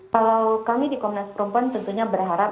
kalau kami di komnas perempuan tentunya berharap